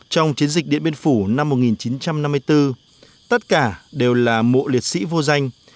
trong chiến dịch điện biên phủ năm một nghìn chín trăm năm mươi bốn tất cả đều là mộ liệt sĩ vô danh